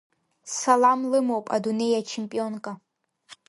Салам лымоуп Адунеи ачемпионка!